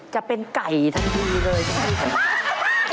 จะเป็นไก่ทั้งทีเลย